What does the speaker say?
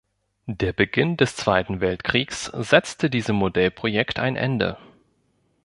Der Beginn des Zweiten Weltkriegs setzte diesem Modellprojekt ein Ende.